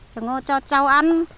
trồng ngô cho châu ăn